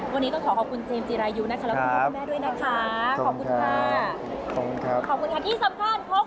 วันนี้ก็ขอขอบคุณเจมส์จิรายยูแล้วก็คุณพ่อแม่ด้วยนะคะ